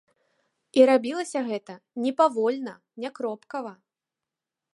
І рабілася гэта не павольна, не кропкава.